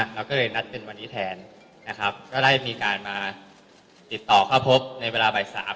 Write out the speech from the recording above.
เราก็เลยนัดกันวันนี้แทนนะครับก็ได้มีการมาติดต่อเข้าพบในเวลาบ่ายสาม